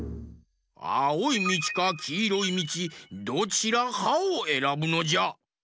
あおいみちかきいろいみちどちらかをえらぶのじゃ。